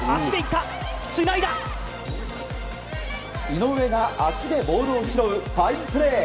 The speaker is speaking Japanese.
井上が足でボールを拾うファインプレー。